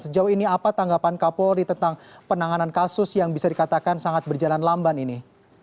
sejauh ini apa tanggapan kapolri tentang penanganan kasus yang bisa dikatakan sangat berjalan lamban ini